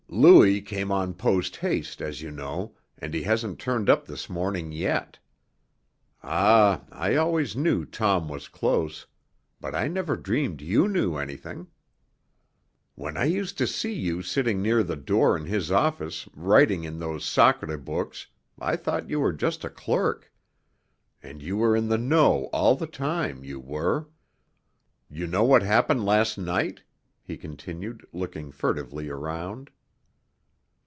"Louis came on posthaste, as you know, and he hasn't turned up this morning yet. Ah, I always knew Tom was close, but I never dreamed you knew anything. When I used to see sitting near the door in his office writing in those sacré books I thought you were just a clerk. And you were in the know all the time, you were! You know what happened last night?" he continued, looking furtively around.